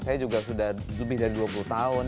saya juga sudah lebih dari dua puluh tahun